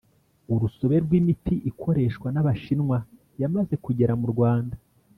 urusobe rw’ imiti ikoreshwa n’abashinwa yamze kugera mu Rwanda